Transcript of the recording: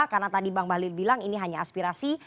karena tadi bang balil bilang ini hanya aspirasi